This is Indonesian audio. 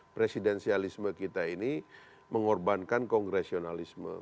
presidensialisme kita ini mengorbankan kongresionalisme